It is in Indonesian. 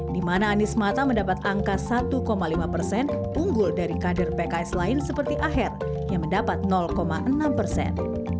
di mana anies mata mendapat angka satu lima persen unggul dari kader pks lain seperti aher yang mendapat enam persen